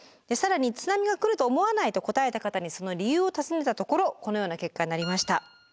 更に津波が来ると思わないと答えた方にその理由を尋ねたところこのような結果になりました。